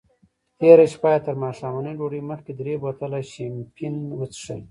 تېره شپه یې تر ماښامنۍ ډوډۍ مخکې درې بوتله شیمپین وڅیښل.